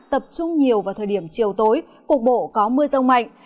tập trung nhiều vào thời điểm chiều tối cục bộ có mưa rông mạnh